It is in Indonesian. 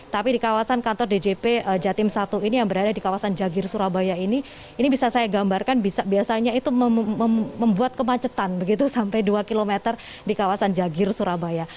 tapi di kawasan kantor djp jatim satu ini yang berada di kawasan jagir surabaya ini ini bisa saya gambarkan biasanya itu membuat kemacetan begitu sampai dua km di kawasan jagir surabaya